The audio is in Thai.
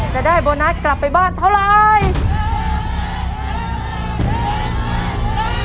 จะได้โบนัสกลับไปบ้านเท่าไร